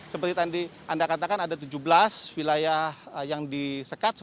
seperti tadi anda katakan ada tujuh belas wilayah yang disekat